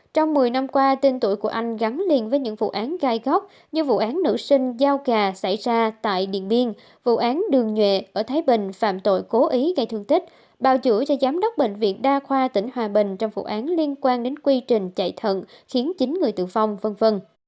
trong một mươi năm qua tên tuổi của anh gắn liền với những vụ án gai góc như vụ án nữ sinh giao gà xảy ra tại điện biên vụ án đường nhuệ ở thái bình phạm tội cố ý gây thương tích bào chữa cho giám đốc bệnh viện đa khoa tỉnh hòa bình trong vụ án liên quan đến quy trình chạy thận khiến chín người tử vong v v